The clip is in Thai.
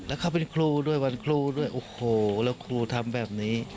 แล้วเขาเป็นครูด้วยวันครูด้วยโอ้โหแล้วครูทำแบบนี้